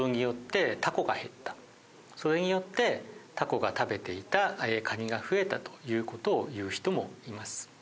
それによってタコが食べていたカニが増えたという事を言う人もいます。